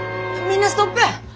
みんなストップ！